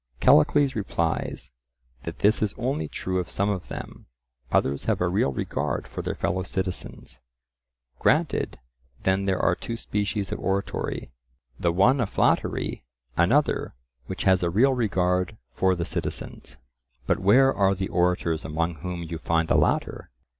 Callicles replies, that this is only true of some of them; others have a real regard for their fellow citizens. Granted; then there are two species of oratory; the one a flattery, another which has a real regard for the citizens. But where are the orators among whom you find the latter?